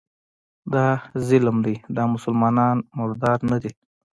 دا ظلم دی، دا مسلمانان مردار نه دي